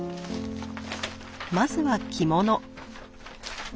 まずは着物。